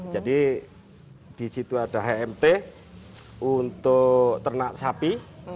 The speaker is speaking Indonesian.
jadi di situ ada hmt untuk ternak sapi